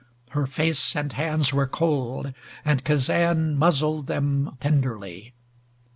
Her face and hands were cold, and Kazan muzzled them tenderly.